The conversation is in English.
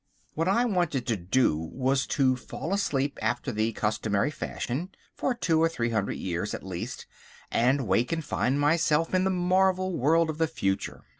What I wanted to do was to fall asleep after the customary fashion, for two or three hundred years at least, and wake and find myself in the marvel world of the future.